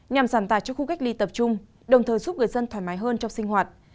nhằm giảm tài cho khu cách ly tập trung đồng thời giúp người dân thoải mái hơn trong sinh hoạt